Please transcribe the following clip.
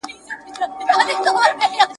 ثبات د ټولني پرمختګ چټکوي.